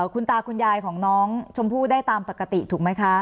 คุณตาคุณยายของน้องชมพู่ได้ตามปกติถูกไหมคะ